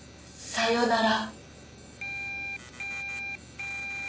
さよなら」